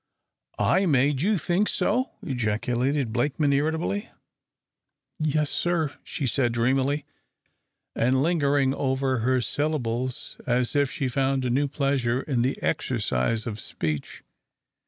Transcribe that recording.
"I made you think so!" ejaculated Blakeman, irritably. "Yes, sir," she said, dreamily, and lingering over her syllables as if she found a new pleasure in the exercise of speech.